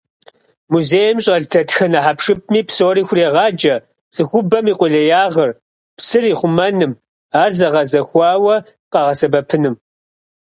Музейм щӀэлъ дэтхэнэ хьэпшыпми псори хурегъаджэ цӀыхубэм и къулеягъыр псыр ихъумэным, ар зэгъэзэхуауэ къигъэсэбэпыным.